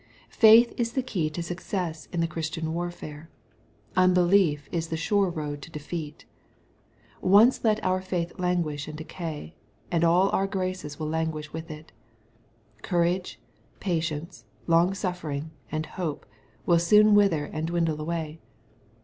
Faith is the key to success in the Christian warfare. Unbelief is the sure road to defeat. Once let our faith languish and decay, and all our graces will languish with it. Courage, patience, long suffering, and hope, will soon wither and dwindle away.